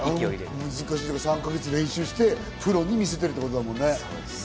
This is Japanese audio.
３か月練習してプロに見せてるってことだもんね。